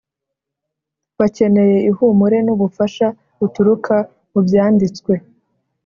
bakeneye ihumure n ubufasha buturuka mu Byanditswe